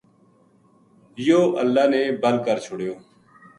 یوہ اللہ نے بل کر چھڑیو